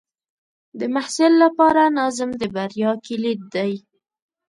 د محصل لپاره نظم د بریا کلید دی.